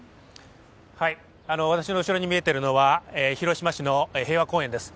私の後ろに見えているのは広島市の平和公園です。